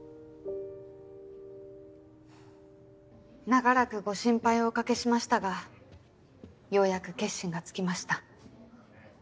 長らくご心配をおかけしましたがようやく決心がつきました。